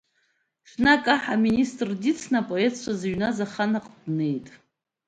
Ҽнак Аҳ аминистр дицны апоетцаа зыҩназ ахан аҟны днеит.